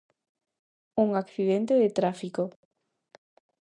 Un accidente de trafico.